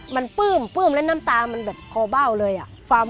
มันปลื้มปลื้มแล้วน้ำตามันแบบคอเบ้าเลยอะ